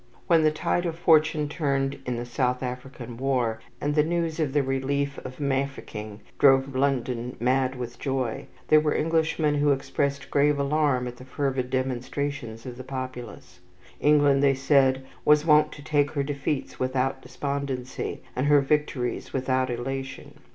When the tide of fortune turned in the South African war, and the news of the relief of Mafeking drove London mad with joy, there were Englishmen who expressed grave alarm at the fervid demonstrations of the populace. England, they said, was wont to take her defeats without despondency, and her victories without elation.